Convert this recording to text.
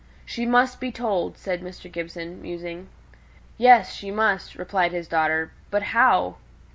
"She must be told," said Mr. Gibson, musing. "Yes, she must," replied his daughter. "But how?"